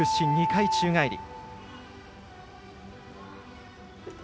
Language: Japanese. ２回宙返り。